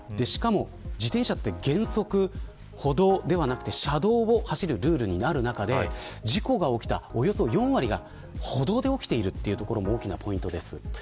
しかも、自転車は原則歩道ではなく車道を走るというルールにある中で事故が起きた、およそ４割が歩道で起きているところも大きなポイントです。